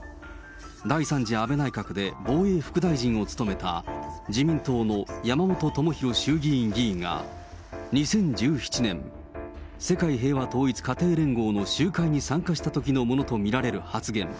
第３次安倍内閣で防衛副大臣を務めた自民党の山本朋広衆議院議員が、２０１７年、世界平和統一家庭連合の集会に参加したときのものと見られる発言。